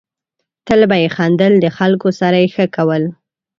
تل به یې خندل ، د خلکو سره یې ښه کول.